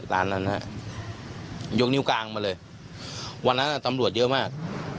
ร้านนั้นฮะยกนิ้วกลางมาเลยวันนั้นตำรวจเยอะมาก